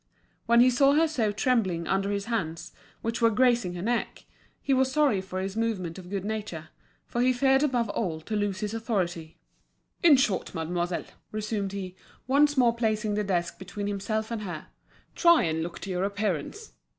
When he saw her so trembling under his hands, which were grazing her neck, he was sorry for his movement of good nature, for he feared above all to lose his authority. "In short, mademoiselle," resumed he, once more placing the desk between himself and her, "try and look to your appearance.